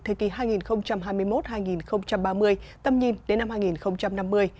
thời kỳ hai nghìn hai mươi một hai nghìn ba mươi tầm nhìn đến năm hai nghìn năm mươi